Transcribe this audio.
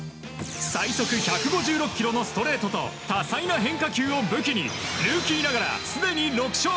最速１５６キロのストレートと多彩な変化球を武器にルーキーながら、すでに６勝。